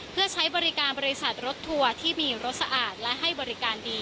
เพื่อใช้บริการบริษัทรถทัวร์ที่มีรถสะอาดและให้บริการดี